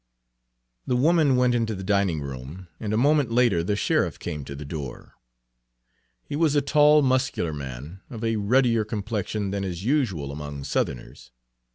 The woman went into the dining room, and a moment later the sheriff came to the door. He was a tall, muscular man, of a ruddier complexion than is usual among Southerners.